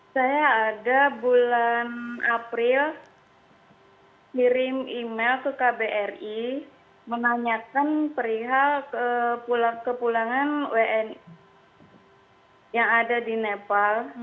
saya ada bulan april kirim email ke kbri menanyakan perihal kepulangan wni yang ada di nepal